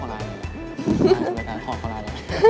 ถ้าอยากคุย